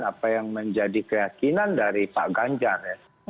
apa yang menjadi keyakinan dari pak ganjar ya